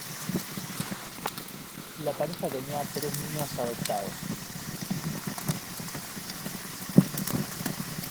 La pareja tenía tres niños adoptados.